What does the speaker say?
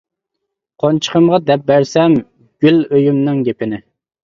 قونچىقىمغا دەپ بەرسەم، گۈل ئۆيۈمنىڭ گېپىنى.